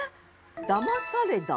「だまされだ」？